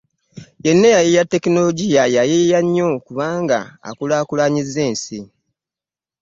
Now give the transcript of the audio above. Yenna eyayiiya tekinologiya yayiiya nnyo kuba akulaakulanyizza ensi.